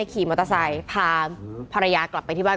ขี่มอเตอร์ไซต์พา